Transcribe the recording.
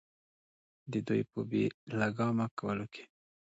د دوي پۀ بې لګامه کولو کښې